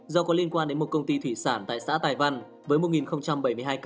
do có liên quan đến một công ty thủy sản tại xã tài văn với một bảy mươi hai ca